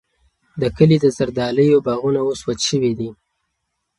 د کلي د زردالیو باغونه اوس وچ شوي دي.